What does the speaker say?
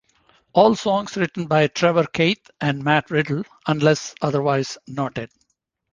All songs written by Trever Keith and Matt Riddle unless otherwise noted.